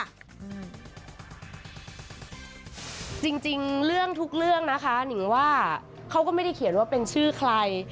จริงเรื่องทุกเรื่องนะคะนิงว่าเขาก็ไม่ได้เขียนว่าเป็นชื่อใคร